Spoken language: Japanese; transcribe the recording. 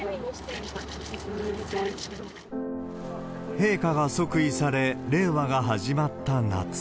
陛下が即位され、令和が始まった夏。